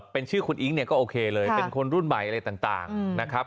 เป็นชื่อคุณอิ๊งเนี่ยก็โอเคเลยเป็นคนรุ่นใหม่อะไรต่างนะครับ